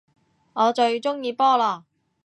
我最鍾意菠蘿